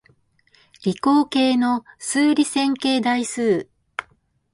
理工系の数理線形代数